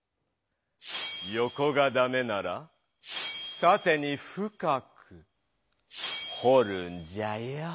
よこがダメならたてに深くほるんじゃよ。